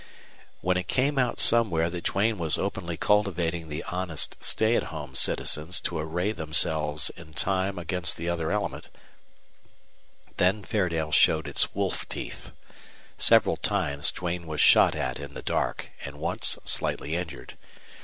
When it came out somewhere that Duane was openly cultivating the honest stay at home citizens to array them in time against the other element, then Fairdale showed its wolf teeth. Several times Duane was shot at in the dark and once slightly injured.